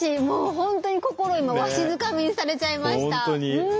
もう本当に心を今わしづかみにされちゃいました。